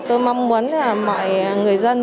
tôi mong muốn mọi người dân